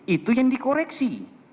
itu yang di koreksi